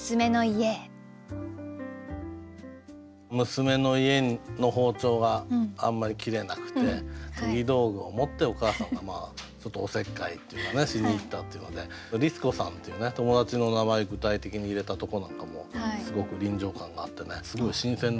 娘の家の包丁があんまり切れなくて研ぎ道具を持ってお母さんがちょっとおせっかいしにいったっていうので「律子さん」という友達の名前具体的に入れたとこなんかもすごく臨場感があってすごい新鮮でしたねこれは。